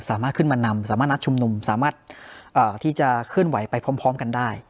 สามารถขึ้นมานำสามารถนัดชุมนุมสามารถที่จะเคลื่อนไหวไปพร้อมกันได้